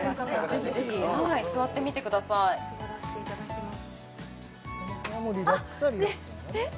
ぜひぜひ座ってみてください座らせていただきますあっ！